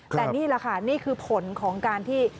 แต่นี่แหละค่ะนี่คือผลของการที่